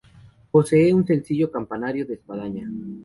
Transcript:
Posee un sencillo campanario de espadaña.